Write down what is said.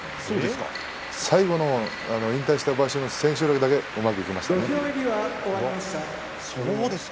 最後の引退した場所の千秋楽だけうまくいきましたね。